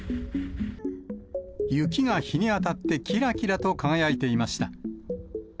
雪が日に当たって、きらきらと輝いていました。